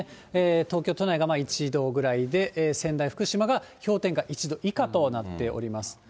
東京都内が１度ぐらいで、仙台、福島が氷点下１度以下となっております。